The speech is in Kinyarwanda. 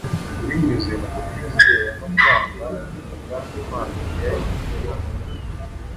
Binyuze mu kutizera no kwanga umugambi Imana yari ibafitiye